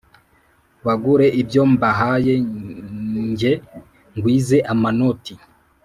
Bagure ibyo mbahayeJye ngwize amanoti